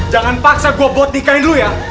jangan paksa gua buat nikahin lu ya